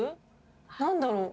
何だろう？